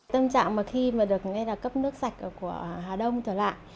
tâm trạng mà khi mà được nghe là cấp nước sạch của hà đông trở lại